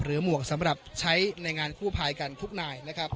หมวกสำหรับใช้ในงานกู้ภัยกันทุกนายนะครับ